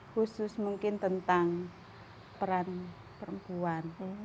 khusus mungkin tentang peran perempuan